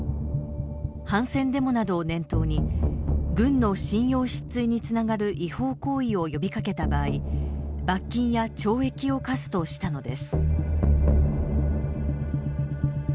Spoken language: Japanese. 反戦デモなどを念頭に軍の信用失墜につながる違法行為を呼びかけた場合罰金や懲役を科すとしたのです。